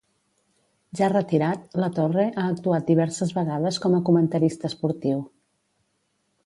Ja retirat, Latorre ha actuat diverses vegades com a comentarista esportiu.